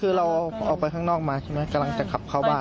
คือเราออกไปข้างนอกมาใช่ไหมกำลังจะขับเข้าบ้าน